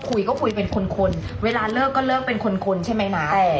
คุยก็คุยเป็นคนเวลาเลิกก็เลิกเป็นคนใช่ไหมนะ